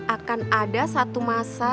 akan ada satu masa